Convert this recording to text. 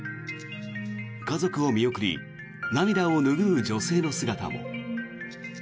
家族を見送り涙を拭う女性の姿も。